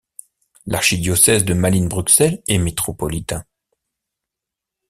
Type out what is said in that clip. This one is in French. L'archidiocèse de Malines-Bruxelles est métropolitain.